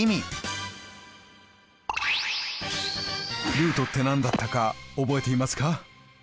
ルートって何だったか覚えていますか？